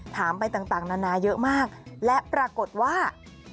ถามไปต่างนานาเยอะมากและปรากฏว่า